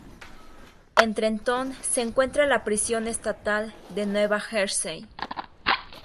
En Trenton se encuentra la Prisión Estatal de Nueva Jersey.